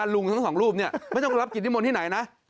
ลุงทั้งสองรูปเนี่ยไม่ต้องรับกิจนิมนต์ที่ไหนนะ